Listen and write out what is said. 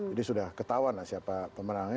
jadi sudah ketahuan lah siapa pemerangnya